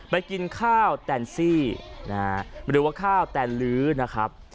ไปกินข้าวแตนซี่นะฮะหรือว่าข้าวแตนลื้อนะครับ